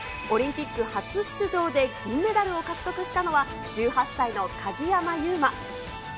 オリンピック初出場で銀メダルを獲得したのは、１８歳の鍵山優真。